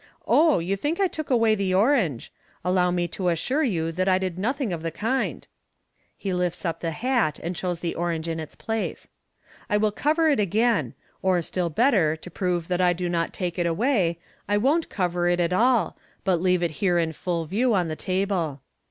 u Oh ! you think I took away the orange. Allow me to assure you that I did nothing of the kind.'* (He lifts up the hat, and shows the orange in its place.) " I will cover it again $ or, still better, to prove that I do not take it away, I won't cover it at all, but leave it here in full view on the table."